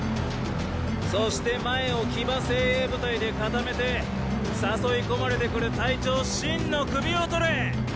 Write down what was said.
そして前を騎馬精鋭部隊で固めて誘い込まれてくる隊長信の首をとれ！